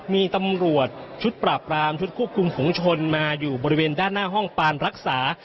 มีตำรวจชุดปราบรามชุดควบคุมฝุงชนมาอยู่บริเวณด้านหน้าห้องปานรักษา